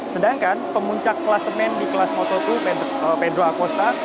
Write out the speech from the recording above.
sedangkan pemuncak kelas men di kelas moto dua pedro acosta